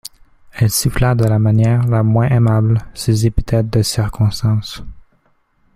Elle siffla, de la manière la moins aimable, ces épithètes de circonstance.